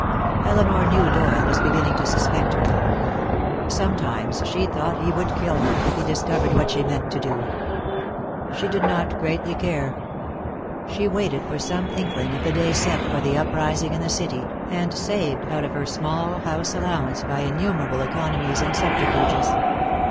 Elinor knew Doyle was beginning to suspect her. Sometimes she thought he would kill her, if he discovered what she meant to do. She did not greatly care. She waited for some inkling of the day set for the uprising in the city, and saved out of her small house allowance by innumerable economies and subterfuges.